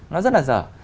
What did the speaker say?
nó rất là dở